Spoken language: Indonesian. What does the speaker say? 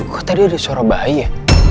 kok tadi ada suara bayi ya